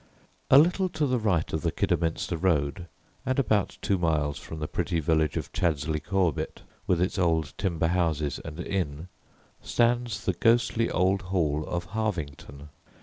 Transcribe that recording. A little to the right of the Kidderminster road, and about two miles from the pretty village of Chaddesley Corbet, with its old timber houses and inn, stands the ghostly old hall of Harvington.